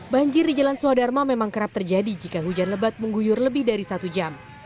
banjir di jalan swadharma memang kerap terjadi jika hujan lebat mengguyur lebih dari satu jam